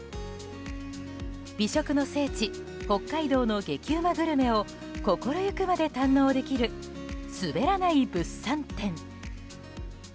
美食の聖地・北海道の激うまグルメを心行くまで堪能できるすべらない物産展。